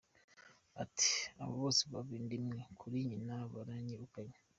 Ati "Abo bose bava inda imwe kuri nyina baranyirukanye.